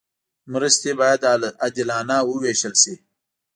مرستې باید عادلانه وویشل شي.